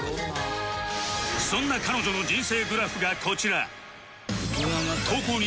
そんな彼女の人生グラフがこちら